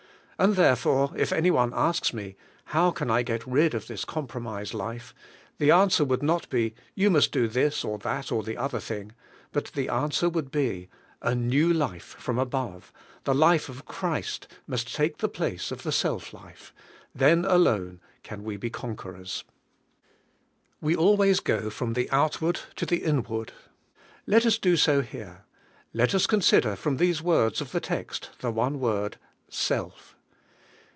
And therefore, if any one asks me, "How can I get rid of this com promise life?" the answer would not be, "You must do this, or that, or the other thing," but the answer would be, "A new life from above, the life of Christ, must take the place of the self life; then alone can we be conquerors," We always go from the outward to the in ward; let us do so here; let us consider from these words of the text the one word, "self."